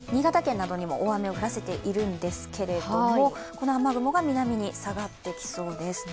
これが東北南部に新潟県などにも大雨を降らせているんですがこの雨雲が南に下がってきそうです。